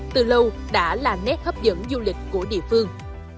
từ lâu đã là nét hấp dẫn du lịch của địa phương